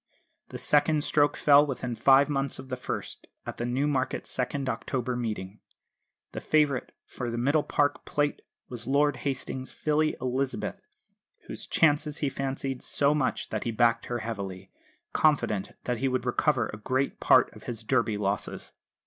The second stroke fell within five months of the first at the Newmarket second October Meeting. The favourite for the Middle Park Plate was Lord Hastings' filly, Elizabeth, whose chances he fancied so much that he backed her heavily, confident that he would recover a great part of his Derby losses.